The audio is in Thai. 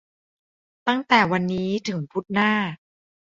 ตั้งแต่วันนี้ถึงพุธหน้า !